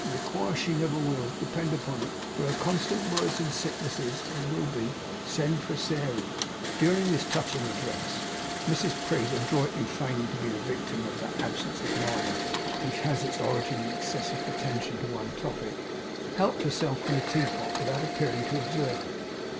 Require she never will, depend upon it, for her constant words in sickness is, and will be, "Send for Sairey?"' During this touching address, Mrs Prig adroitly feigning to be the victim of that absence of mind which has its origin in excessive attention to one topic, helped herself from the teapot without appearing to observe it.